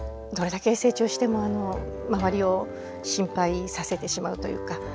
どれだけ成長しても周りを心配させてしまうというか。